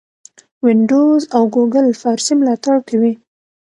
وینډوز او ګوګل فارسي ملاتړ کوي.